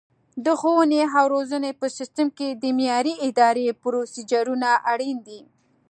د ښوونې او روزنې په سیستم کې د معیاري ادرایې پروسیجرونه اړین دي.